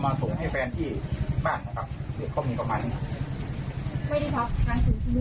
ไม่ได้ค้างคืนที่บ้าน